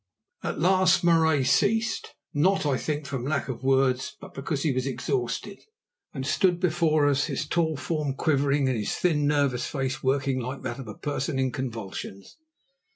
At last Marais ceased, not, I think, from lack of words, but because he was exhausted, and stood before us, his tall form quivering, and his thin, nervous face working like that of a person in convulsions.